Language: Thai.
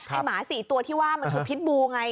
หมา๔ตัวที่ว่ามันคือพิษบูไง